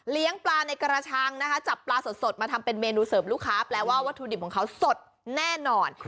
เรียงปลาในกระชังจับปลาสดมาทำเป็นเมนูเสิร์ฟลูกค้าแปลว่ามันสดแน่นอน